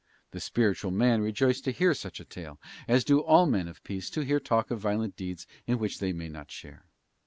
The spiritual man rejoiced to hear such a tale, as do all men of peace to hear talk of violent deeds in which they may not share.